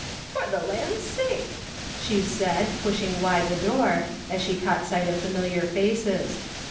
" For the land's sake !" she said, pushing wide the door, as she caught sight of familiar faces.